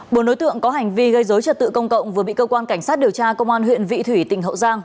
bốn đối tượng có hành vi gây dối trật tự công cộng vừa bị cơ quan cảnh sát điều tra công an huyện vị thủy tỉnh hậu giang